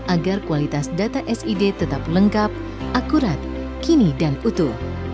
agar kualitas data sid tetap lengkap akurat kini dan utuh